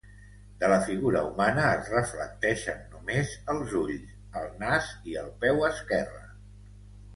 De la figura humana es reflecteixen només els ulls, el nas i el peu esquerre.